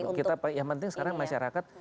mulai untuk ya yang penting sekarang masyarakat